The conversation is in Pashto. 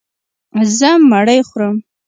زه مړۍ خورم.